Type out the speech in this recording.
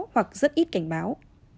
hoặc rất ít cảnh báo